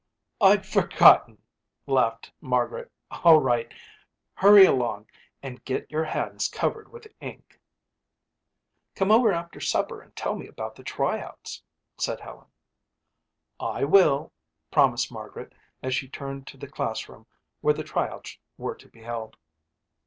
"I'd forgotten," laughed Margaret. "All right, hurry along and get your hands covered with ink." "Come over after supper and tell me about the tryouts," said Helen. "I will," promised Margaret as she turned to the classroom where the tryouts were to be held.